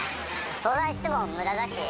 相談してもむだだし。